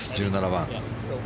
１７番。